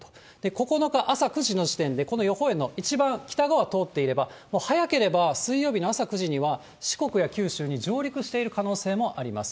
９日朝９時の時点で、この予報円の一番北側を通っていれば、早ければ、水曜日の朝９時には四国や九州に上陸している可能性もあります。